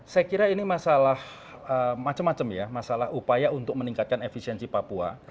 saya kira ini masalah macam macam ya masalah upaya untuk meningkatkan efisiensi papua